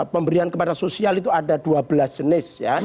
pemberian kepada sosial itu ada dua belas jenis ya